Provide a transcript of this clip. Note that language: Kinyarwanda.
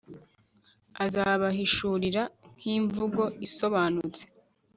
azabahishurira nkimvugo isobanutse